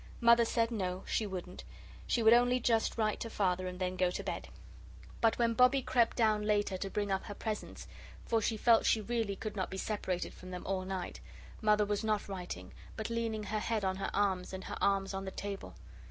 And Mother said no, she wouldn't she would only just write to Father and then go to bed. But when Bobbie crept down later to bring up her presents for she felt she really could not be separated from them all night Mother was not writing, but leaning her head on her arms and her arms on the table.